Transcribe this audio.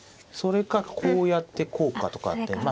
それかこうやってこうかとかって。